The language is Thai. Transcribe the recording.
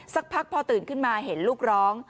สักพักพอตื่นขึ้นมาเห็นลูกร้อง